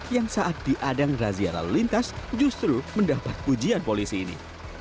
yang saat diadang razia lalu lintas justru mendapat ujian polisi ini